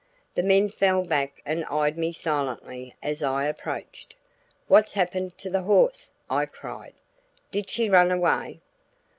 The men fell back and eyed me silently as I approached. "What's happened to the horse?" I cried. "Did she run away?"